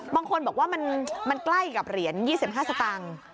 บางคนบอกว่ามันใกล้กับเหรียญ๒๕สตางค์